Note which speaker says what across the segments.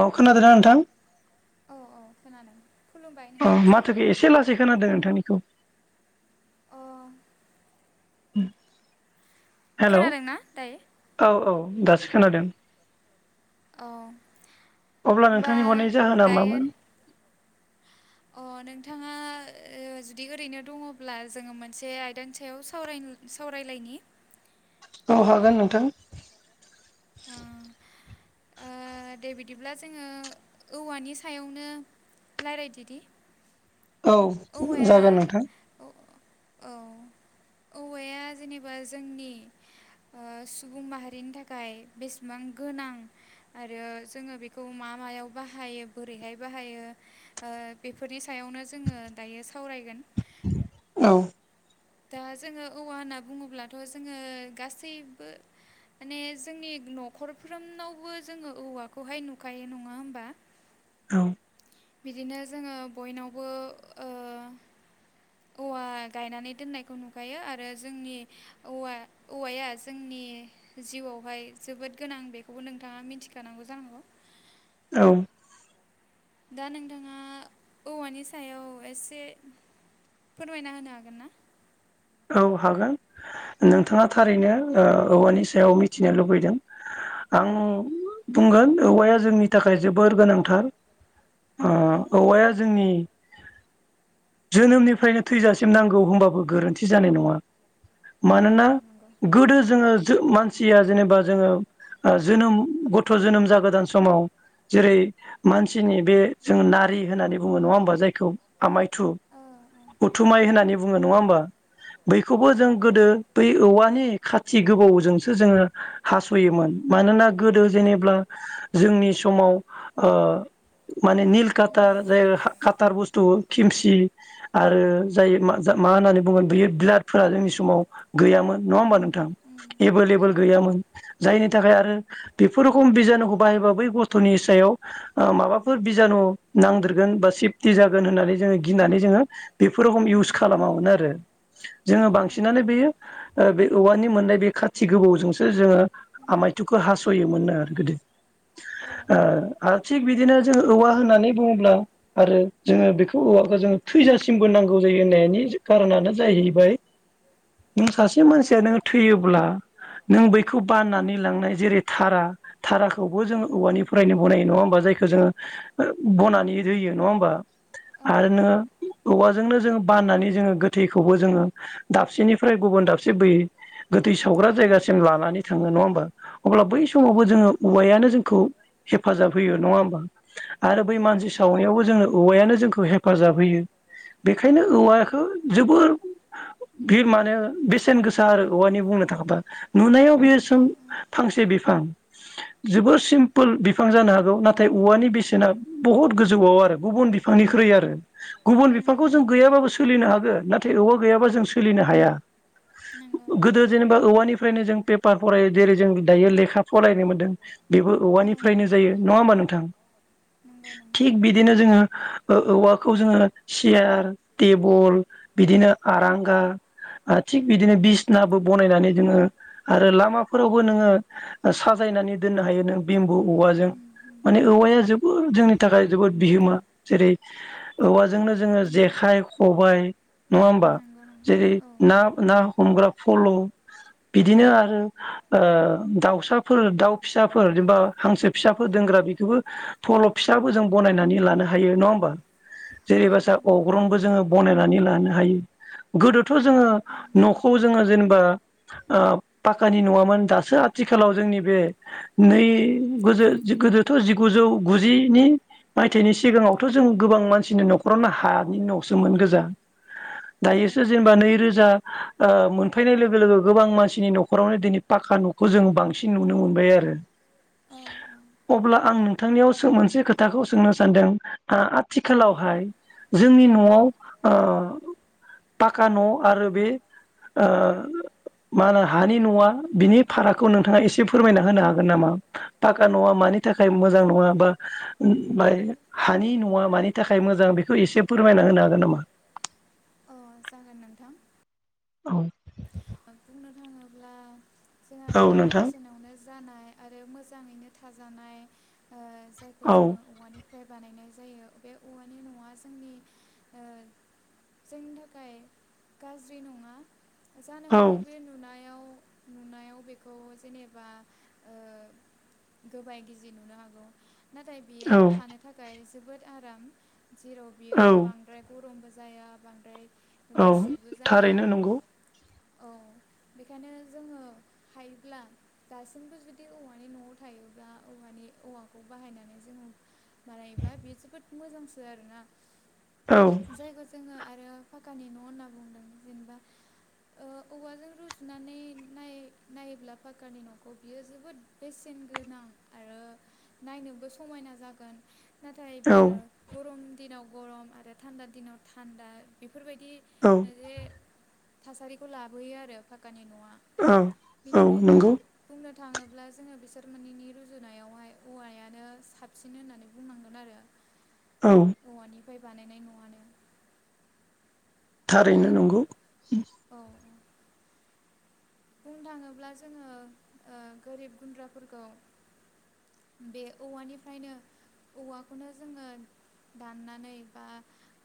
Speaker 1: अ खोनादोना नोंथां।
Speaker 2: खोनादों।
Speaker 1: अ माथोखो एसे लासै खोनादों। नोंथांनिखौ। उम।
Speaker 2: खोनादोंना दायो।
Speaker 1: दासो खोनादों।
Speaker 2: औ ओमबा दायो। अ नोंथाङा जुदि ओरैनो दङब्ला जोङो मोनसे आयदानि सायाव सावरायलायनि
Speaker 1: हागोन नोंथां।
Speaker 2: [unintelligible] ओ दे बिदिब्ला जोङो औवानि सायावनो रायलायदोदि।
Speaker 1: औ जागोन नोंथां।
Speaker 2: औ औवाया जेनेबा जोंनि सुबुं माहारिनि थाखाय बेसेबां गोनां आरो जोङो बेखौ मा मायाव बाहायो बोरैहाय बाहायो बेफोरनि सायावनो जों। दायो सावरायगोन। दा जोङो औवा होनना बुङोब्लाथ' जोङो गासैबो माने जोंनि न'खरफ्रोमनावबो जोङो औवाखौहाय नुखायो नङा होमबा।
Speaker 1: औ।
Speaker 2: बिदिनो जोङो बयनावबो औवा गायनानै दोननायखौ नुखायो आरो जोंनि औव औवाया जोंनि जिउआवहाय जोबोद गोनां बेखौबो नोंथाङा मिथिखानांगौ जानांगौ।
Speaker 1: औ।
Speaker 2: दा नोंथाङा औवानि सायाव एसे फोरमायना होनो हागोन ना।
Speaker 1: औ हागोन नोंथाङा थारैनो औवानि सायाव मिथिनो लुबैदों आं बुंगोन औवाया जोंनि थाखाय जोबोर गोनांथार। ओ औवाया जोंनि। जोनोमनिफ्रायनो थैजासिम नांगौ होनबाबो गोरोन्थि। थि जानाय नङा मानोना गोदो जोङो मानसिया जेनेबा जोङो जोनोम गथ' जोनोम ज गोदान समाव जेरै मानसिनि बे जों नारि होननानै बुङो नङा होमबा जायखौ आमायथु उथुमाय होननानै बुङो नङा होमबा। बैखौबो जों गोदो बै औवा। [unintelligible] खाथि गोबौजोंसो जोङो हास'योमोन मानोना गोदो जेनेब्ला जोंनि समाव ओ। माने नील खातार जाय खाटार बुस्थु खिमसि आरो जाय मा होननानै बुंगोन। बेयो बिरादफोरा जोंनि समाव गैयामोन नङा होमबा नोंथां। एभेलेबोल गैयामोन। जायनि थाखाय आरो बेफोर रोखम बिजानुखौ बाहायबा बै गथ'नि सायाव माबाफोर बिजानु नांदेरगोन बा सेफटि जागोन होननानै जोङो गिनानै जोङो बेफोरोखम इउस खालामामोन आरो। जोङो बांसिनानो बेयो ओ बे औवानि मोननाय बे खाथि गोबौजोंसो जोङो आमायथुखौ हास'योमोननो आरो गोदो ओ थिग बिदिनो जोङो औवा होननानै बुङोब्ला आरो जोङो बेखौ औवाखौ जोङो थैजासिमबो नांगौ जायो होननायनि कार'नानो जाहैबाय नों सासे मानसिया नो थैयोब्ला नों बैखौ बाननानै लांनाय जेरै धारा धाराखौबो जोङो औवानिफ्रायनो बनायो नङा होमबा जायखौ जोङो बनानै होयो नङा होमबा आरो नोङो औवाजोंनो जोङो बाननानै जोङो गोथै -खौबो जोङो दाबसेनिफ्राय गुबुन दाबसे बैयै गोथै सावग्रा जायगासिम लानानै थाङो नङा होमबा? [inaudible] अब्ला बै समावबो जोङो औवायानो जों -खौ हेफाजाब होयो नङा होमबा आरो बै मानसि सावनायावबो जोंनो औवायानो जोंखौ हेफाजाब होयो बेखायनो औवाखो जोबोर बे माने बेसेन गोसा आरो औवानि बुंनो थाङोबा नुनायाव बेयो सों फांसे बिफां जोबोर सिम्पोल बिफां जानो हागौ नाथाय औवानि बेसेना बहुद गोजौआव आरो गुबुन बिफांनिख्रुइ आरो गुबुन बिफांखौ जों गैयाबाबो सोलिनो हागो नाथाय औवा गैयाबा जों सोलिनो हाया। गोदो जेनेबा औवानिफ्रायनो जों पेपार फरायो जेरै जों दायो लेखा फरायनो मोन्दों। बेबो औवानिफ्रायनो जायो नङा होमबा नों थां थिग बिदिनो जोङो ओ औवाखौ जोङो सियार टेबल बिदिनो आरांगा थिग बिदिनो बिसनाबो बनायनानै जोङो आरो लामाफोरावबो नोङो साजायनानै दोननो हायो नों बेम्बु औवाजों माने औवाया जोबोद जोंनि थाखाय जोबोद बिहोमा जेरै औवाजोंनो जोङो जेखाइ खबाइ नङा होमबा जेरै ना - ना हमग्रा। फल' बिदिनो आरो ओ दाउसाफोर दाउ फिसाफोर जेनबा हांसो फिसाफोर दोनग्रा बेखोबो फल' फिसाबो जों बनायनानै लानो हायो नङा होमबा? जेनेबा सा अग्रंबो जोङो बनायनानै लानो हायो गोदोथ' जोङो न'खौ जोङो जेनेबा ओ पाक्कानि नङामोन दासो आथिखालाव जोंनि बे नै गोजो गोदोथ' जिगुजौ गुजिनि मायथाइनि सिगाङावथ' जों गोबां मानसिनि न'खरावनो हानि न'सोमोन गोजा। दायोसो जेनेबा नैरोजा ओ मोनफैनाय लोगो - लोगो गोबां मानसिनि न'खरावनो दिनै पाक्काखा न'खौ जोङो बांसिन नुनो मोनबाय आरो। अब्ला आं नोंथांनियावो सो मोनसे खोथाखौ सोंनो सानदों ओ आथिखालावहाय जोंनि न'आव ओ पाक्का न' आरो बे ओ मा होनो हानि न'आ बिनि फारागखौ नोंथाङा एसे फोरमायना होनो हागोन नामा? पाक्का न'आ मानि थाखाय मोजां नङा बा हानि न'आ मानि थाखाय मोजां बेखौ एसे फोरमायना होनो हागोन नामा?
Speaker 2: अ जागोन नोंथां।
Speaker 1: औ।
Speaker 2: बुंनो थाङोब्ला जोंहा खम बेसेनावनोज जानाय आरो मोजाङैनो थाजानाय ओ जायखौ जोङो औवानि - फाय बानायनाय जायो बे औवानि न'आ जोंनि ओ जोंनि थाखाय गाज्रि नङा जानो हाग
Speaker 1: औ।
Speaker 2: नुनायाव बेखौ जेनेबा ओ गोबाय गिजि नुनो हागौ। नाथाय बियो थानो थाखाय जोबोद आराम जेराव बियो बांद्राय गरमबो ज जाया बांद्राय
Speaker 1: औ थारैनो नंगौ
Speaker 2: औ बेखायनो जोङो हायोब्ला दासिमबो जुदि औवानि न'आव थायोब्ला औवानि औवाखौ बाहायनानै जोङो मारायबा बे जोबोद मोजांसो आरोना जायखौ जोङो आरो फाक्कानि न' होनना बुंदों जेनेबा ओ औवाजों रुजुनानै नायो नायोब्ला पाक्कानि न'खौ बियो जोबोद बेसेन गोनां आरो नायनोबो समायना जागोन नाथाय बियो गरम दिनाव गरम आरो थान्दा दिनाव थान्दा बि बेफोरबायदि नोजे थासारि खौ लाबोयो आरो फाक्कानि न'आ
Speaker 1: औ औ नंगौ
Speaker 2: थाङोब्ला जोङो बिसोर मोननैनि रुजुनायावहाय औवायानो साबसिन होननानै बुंनांगोन आरो
Speaker 1: औ
Speaker 2: बे बानायनाय न'आनो
Speaker 1: थारैनो नंगौ
Speaker 2: बुंनो थाङोब्ला जोङो ओ गोरिब गुन्द्राफोरखौ बे औवानिफ्रायनो औवाखौनो जोङो दाननानै बा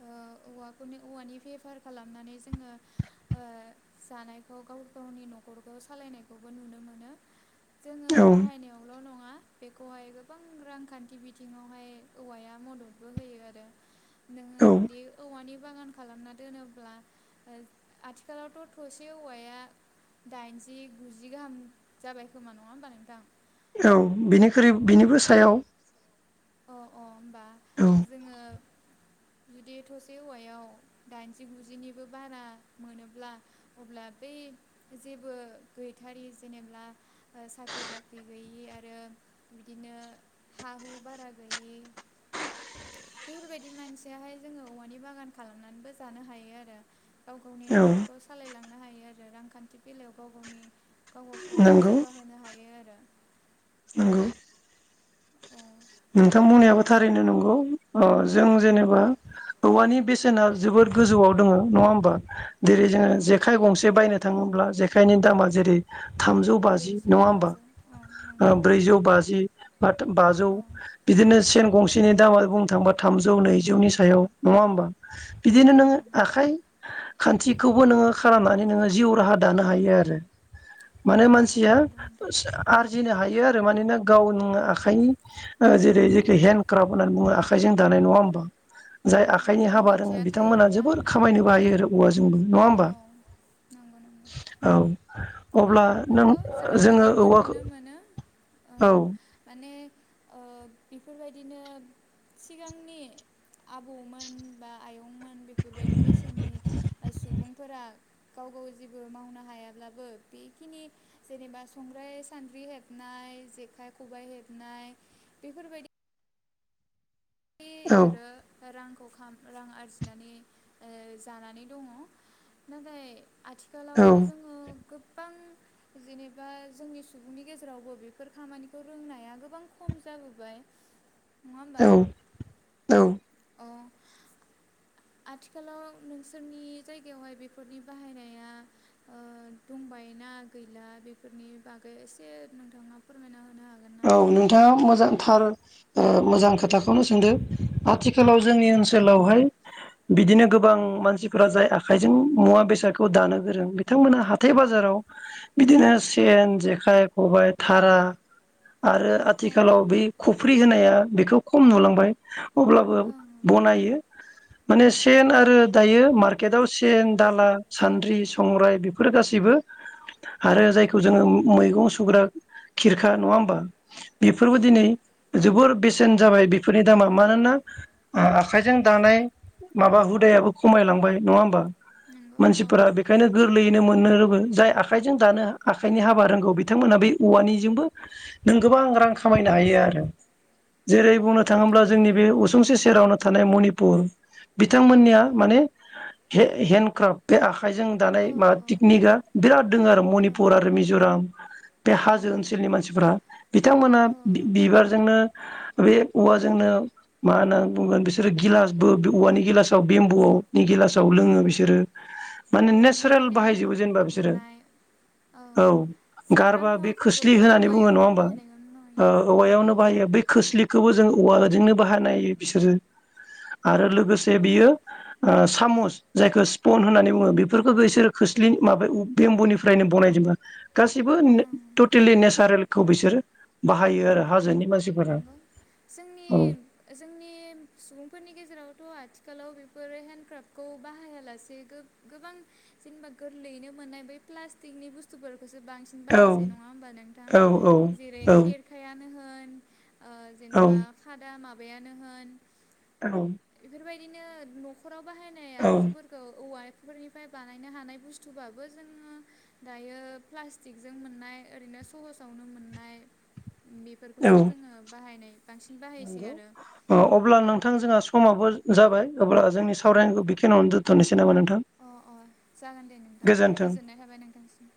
Speaker 2: ओ औवाखौनो औवानि बेफार खालामनानै जोङो ओ जानायखौ गाव गावनि न' खरखौ सालायनायखौबो नुनो मोनो जोङो बाहायनायावल' नङा मा बेखौहाय गोबां रांखान्थि बिथिङावहाय औवाया मददबो होयो आरो नोङो दे औवानि बागान खालामना दोनोब्ला ओ आथिखालावथ' थसे औवाया दाइनजि गुजि गाहाम जाबाय खोमा नङा होमबा नोंथां
Speaker 1: औ बेनिख्रुइ बिनिबो सायाव
Speaker 2: अ अ होमबा जोङो जुदि थसे औवायाव दाइनजि गुजिनिबो बारा मोनोब्ला अब्ला बै जेबो गैथारि जेनेब्ला साख्रि बाख्रि गैयि आरो बिदिनो हा हु बारा गैयि बेफोरबायदि मानसियाहाय जोङो औवानि बागान खालामनानैबो जानो हायो आरो गाव गावनि न'खरखौ सालायलां नो हायो आरो रांखान्थि बेलायाव गाव गावनि गावबा गाव जौगाहोनो हायो आरो दा
Speaker 1: नोंथां बुंनाय आबो थारैनो नंगौ। अ' जों जेनेबा औवानि बेसे थोना जोबोद गोजौआव दङो नङा होमबा। जेरै जोङो जेखाइ गंसे बायनो थाङोब्ला जेखाइनि दामा जेरै थामजौ बाजि नङा होमबा। ब्रैजौ बाजि बाथ बाजौ बिदिनो सेन गंसेनि दामा बुंनो थांबा थामजौ नैजौनि सायाव नङा होमब बिदिनो नोङो आखाइ खान्थिखौबो नोङो खालामनानै नोङो जिउ राहा दानो हायो आरो माने मानसिया आरजिनो हायो आरो मानोना गावनो आखाइनि ओ जेरै जेखो हेन्दड क्राफ होनना बुङो। आखा आखाइजों दानाय नङा होमबा जाय आखाइनि हाबा रोङो बिथांमोनहा जोबोद खामायनोबो हायो आरो औवाजोंबो नङा होमबा औ। आरो
Speaker 2: नंगौ जोङो बिदिबो नुनो मोनो ओं माने ओ बेफोरबायदिनो सिगांनि आबौमोन बा आयंमोन बेफोरबायदि बैसोनि सुबुंफोरा गाव गाव जेबो मावनो हायाब्लाबो बे खिनि जेनेबा संग्राय सान्द्रि हेबनाय जेखाइ खबाइ हेबनाय बेफोरबायदि [unintelligible] रांखौ खाम रां आरजिनानै ओ जानानै दङ नाथाय आथिखालाव जोङो गो गोबां जेनेबा जोंनि सुबुंनि गेजेरावबो बेफोर खामानिखौ रोंनाया गोबां खम जाबोबाय। नङा होमबा
Speaker 1: औ
Speaker 2: आथिखालाव नोंसोरनि जायगायावहाय बेफोरनि बाहायनाया ओ दंबायो ना गैला बेफोरनि बागै एसे नोंथाङा फोरमायना होनो हागोन
Speaker 1: औ नोंथाङा मोजां थार ओ मोजां खोथाखौनो सोंदो आथिखालाव जोंनि ओनसोलावहाय बिदिनो गोबां मानसिफोरा जाय आखाइजों मुवा बेसादखौ दानो गोरों बिथांमोना हाथाय बाजाराव बिदिनो सेन जेखाइ खबायाइ थारा आरो आथिखालाव बे खफ्रि होनाया बेखौ खम नुलांबाय। अब्लाबो बनायो। माने सेन आरो दायो मार्केटाव सेन दाला सान्द्रि संग्राय बेफोरो गासैबो आरो जायखौ जोङो मैगं सुग्रा खिरखा नङा हो बा बेफोरबो दिनै जोबोर बेसेन जाबाय बेफोरनि दामा मानोना आखाइजों दानाय माबा हुदायाबो खमायलांबाय नङा होमबा। मानसिफोरा बेखायनो गोर गोरलैयैनो मोननो रोङो जाय आखाइजों दानो आखाइनि हाबा रोंगौ बिथांमोनहा बे औवानिजोंबो नों गोबां रां खामायनो हायो आरो जेरै बुंनो थाङोब्ला जोंनि बे उसुंसे सेरावनो थानाय मनिपुर बिथांमोननिया माने हेन हेनक्राफ्ट बे आंखा आखाइजों दानाय मा थिकनिकआ बिराद दङो आरो मनिपुर आरो मिज'राम बे हाजो ओनसोलनि मानसिफ्रा बिथांमोना बिबारजोंनो बे औवाजोंनो मा होनना बुंगोन बिसोरो गिलासबो औवानि गिलासाव बेम्बुनि गिलासाव लोङो बिसोरो। माने नेचारेल बाहायजोबो जेनबा बिसोरो औ गारबा बे खोस्लि होननानै बुङो नङा ओ औ औवायावनो बाहायो बै खोस्लि खौबो जों औवाजोंनो बाहानायो बिसोरो आरो लोगोसे बियो ओ सामुस जायखौ स्पन होननानै बुङो बेफोरखौ बिसोरो खोस्लि माबा बेम्ब'निफ्रायनो बनायजोबो गासिबो ने टटेलि नेचारेल खौ बिसोरो बाहायो आरो हाजोनि मानसिफोरा
Speaker 2: जोंनि जोंनि सुबुंफोरनि गेजेरावथ' आथि आथिखालाव बेफोर हेन्डक्राफ्टखौ बाहायालासे गोगोबां जेनेबा गोरलैयैनो मोननाय बै प्लास्टिकनि बुस्थुफोर खौसो बांसिन बाहायनोसै नङा होमबा नोंथां जेरै खेरखायानो होन औ जेनेबा खादा मा माबायानो होन
Speaker 1: औ
Speaker 2: बिनो न' न'खराव बाहायनाय आगजुफोरखौ औवा फोरनिफ्राय बानायनो हानाय बुस्थुबाबो जोङो दायो प्लास्टिकजों मोननाय ओरैनो सहसावनो मोननाय बेफोरखौसो जोङो बाहायनाय
Speaker 1: नंगौ अब्ला नोंथां जोंहा सु समावबो जाबाय अब्ला जोंनि सावरायनायखौ बेखिनियावनो जथ'निसै
Speaker 2: अ अ जागोन दे नोंथां गोजोननाय थाबाय नोंथांसिम।